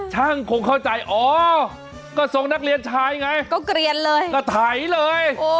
ช่างคงเข้าใจอ๋อก็ทรงนักเรียนชายไงก็เกลียนเลยก็ไถเลย